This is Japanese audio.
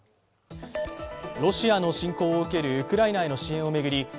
ロシアの侵攻を受けるウクライナへの支援を巡り